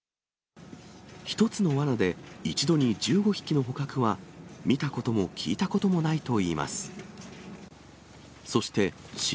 １つのわなで一度に１５匹の捕獲は、見たことも聞いたこともないといいます。